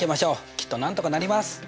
きっとなんとかなります。